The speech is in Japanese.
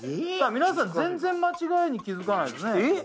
皆さん全然間違いに気づかないですねえっ？